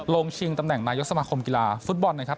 ชิงตำแหน่งนายกสมาคมกีฬาฟุตบอลนะครับ